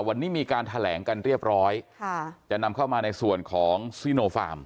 วันนี้มีการแถลงกันเรียบร้อยค่ะจะนำเข้ามาในส่วนของซีโนฟาร์ม